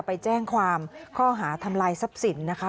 ไปแจ้งความข้อหาทำลายทรัพย์สินนะคะ